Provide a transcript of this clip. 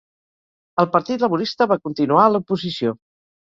El Partit Laborista va continuar a l'oposició.